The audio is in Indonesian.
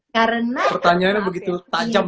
karena pertanyaannya begitu tajam